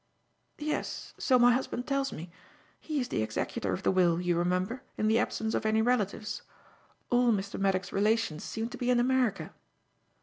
"Yes, so my husband tells me. He is the executor of the will, you remember, in the absence of any relatives. All Mr. Maddock's relations seem to be in America."